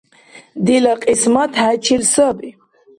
ДИЛА КЬИСМАТ ХӏЕЧИЛ САБИ